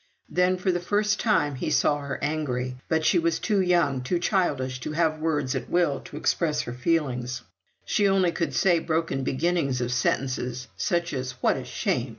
Then, for the first time, he saw her angry; but she was too young, too childish, to have words at will to express her feelings; she only could say broken beginnings of sentences, such as "What a shame!